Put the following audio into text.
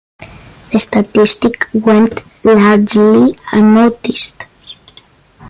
The statistic went largely unnoticed.